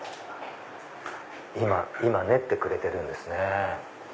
今練ってくれてるんですね。